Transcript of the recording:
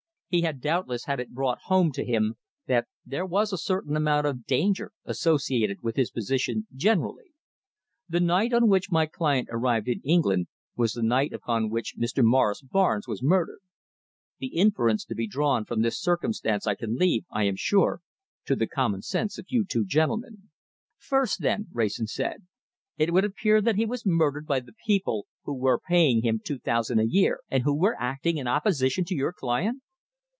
He had doubtless had it brought home to him that there was a certain amount of danger associated with his position generally. The night on which my client arrived in England was the night upon which Mr. Morris Barnes was murdered. The inference to be drawn from this circumstance I can leave, I am sure, to the common sense of you two gentlemen." "First, then," Wrayson said, "it would appear that he was murdered by the people who were paying him two thousand a year, and who were acting in opposition to your client!"